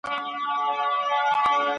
سایبر امنیتي څارنه د وخت ضایع کموي.